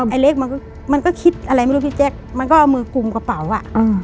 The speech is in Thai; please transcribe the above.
ไอ้เล็กมันก็มันก็คิดอะไรไม่รู้พี่แจ๊คมันก็เอามือกลุ่มกระเป๋าอ่ะ